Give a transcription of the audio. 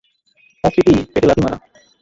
তার স্মৃতি, পেটে লাথি মারা।